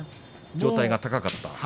上体が高かった。